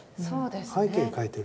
背景を描いている。